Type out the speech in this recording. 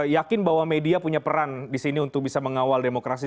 yakin bahwa media punya peran di sini untuk bisa mengawal demokrasi